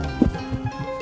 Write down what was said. aduh aduh aduh